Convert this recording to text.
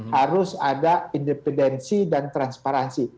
harus ada independensi dan transparansi